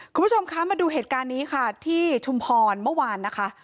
คุณผู้ชมคะมาดูเหตุการณ์นี้ค่ะที่ชุมพรเมื่อวานนะคะ